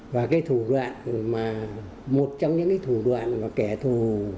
và cái thủ đoạn mà một trong những cái thủ đoạn mà kẻ thù